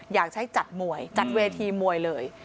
อยากใช้จัดมวยจัดเวทีมวยเลย